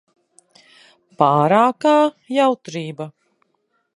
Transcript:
Pārākā jautrība.